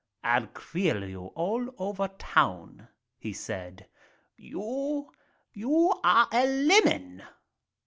"I'll qveer you all over town," he said, "; you are a lemon